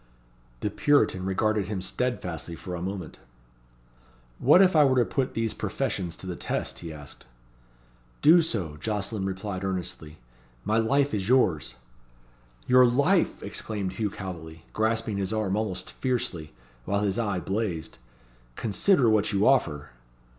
The Puritan regarded him steadfastly for a moment. "What if I were to put these professions to the test?" he asked. "Do so," Jocelyn replied earnestly. "My life is yours!" "Your life!" exclaimed Hugh Calveley, grasping his arm almost fiercely, while his eye blazed. "Consider what you offer."